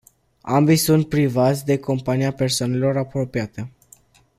Ambii sunt privați de compania persoanelor apropiate.